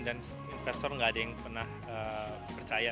dan investor tidak ada yang pernah percaya